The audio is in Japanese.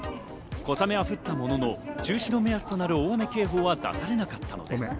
小雨は降ったものの、中止の目安となる大雨警報は出されなかったのです。